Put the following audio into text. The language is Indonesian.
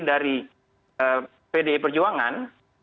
dari pdi perjuangan